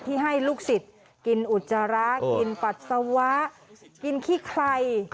ให้ลูกศิษย์กินอุจจาระกินปัสสาวะกินขี้ไคร